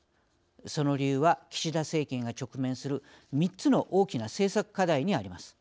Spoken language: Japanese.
その理由は岸田政権が直面する３つの大きな政策課題にあります。